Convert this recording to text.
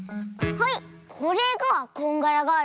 はい！